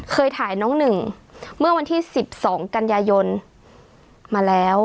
เคยถ่ายน้องหนึ่งเมื่อวันที่๑๒กันยายนมาแล้ว